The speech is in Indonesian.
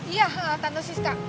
iya tante siska